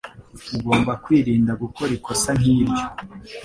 Ugomba kwirinda gukora ikosa nkiryo.